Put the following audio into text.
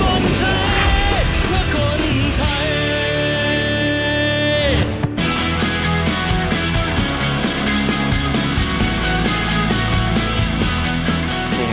เพื่อคนไทย